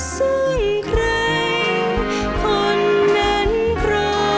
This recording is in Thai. ทรงใครคนนั้นรอ